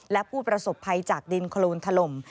และผู้ประสบภัยจากดินโครนถล่ม